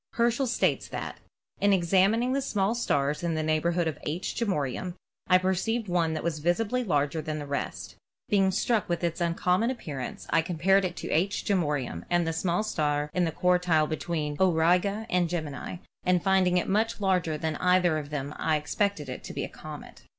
Herschel states that: "In examining the small stars in the neighborhood of 'H. Geminorum' I per ceived one that appeared visibly larger than the rest; being struck with its uncommon appearance I compared it to *H. Geminorum' and the small star in the quartile be tween 'Auriga' and 'Gemini,' and finding it so much larger than either of them I suspected it to be a comet."